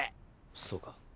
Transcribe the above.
そうか。